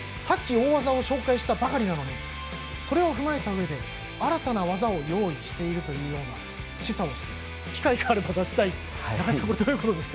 さっき大技を紹介したばかりなのにそれを踏まえたうえで新たな技を用意しているという示唆をしていて、機会があれば出したいと。